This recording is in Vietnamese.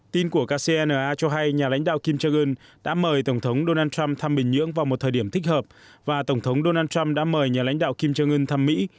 tin của kcna cho hay nhà lãnh đạo kim jong un đã mời tổng thống donald trump thăm bình nhưỡng vào một thời điểm thích hợp và tổng thống donald trump đã mời nhà lãnh đạo kim jong un thăm mỹ